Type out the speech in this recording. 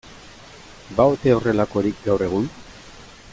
Ba ote horrelakorik gaur egun?